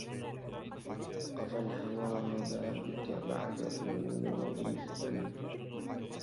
وقف الهوى بك بعد طول وجيفه